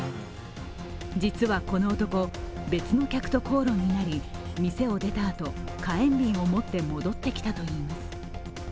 実はこの男、別の客と口論になり店を出たあと火炎瓶を持って戻ってきたといいます。